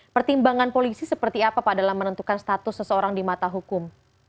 pertimbangan polisi seperti apa pak dalam menentukan status seseorang di mata hukum